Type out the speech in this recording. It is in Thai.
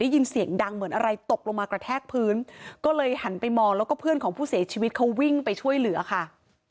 ยินเสียงดังเหมือนอะไรตกลงมากระแทกพื้นก็เลยหันไปมองแล้วก็เพื่อนของผู้เสียชีวิตเขาวิ่งไปช่วยเหลือค่ะ